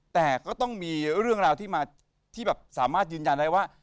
แต่ก็ต้องมีเรื่องราวที่มาที่แบบสามารถยืนยันได้ว่า